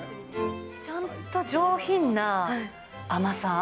ちゃんと上品な甘さ。